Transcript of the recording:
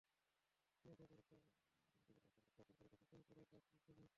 অভিযোগ আছে, মালিক সমিতিগুলোর অশুভ তৎপরতার কারণে নতুন করে বাস নামছে না।